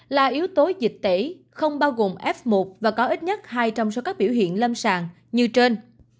là yếu tố dịch tễ không bao gồm f một và có ít nhất hai trong số các biểu hiện lâm sàng như trên